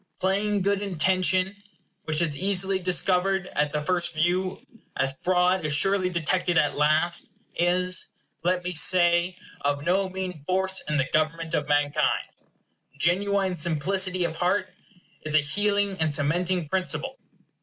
Plain good intention, which is as easily discovered at the first view as fraud is surely detected at last, is, let me say, of no mean force in the government of mankind. Genuine simplicity of heart is an healing and cementing principle.